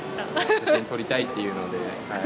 写真撮りたいっていうので。